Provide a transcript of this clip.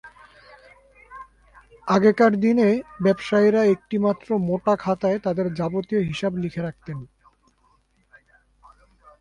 আগেকার দিনে ব্যবসায়ীরা একটি মাত্র মোটা খাতায় তাদের যাবতীয় হিসাব লিখে রাখতেন।